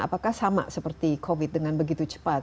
apakah sama seperti covid dengan begitu cepat